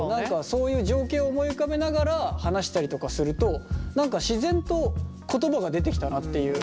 そういう情景を思い浮かべながら話したりとかすると何か自然と言葉が出てきたなっていう。